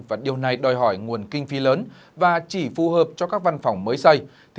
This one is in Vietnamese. và điều này đòi hỏi nguồn kinh phí lớn và chỉ phù hợp cho các văn phòng mới xây